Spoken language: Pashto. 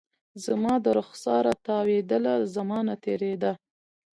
زما د رخساره تاویدله، زمانه تیره ده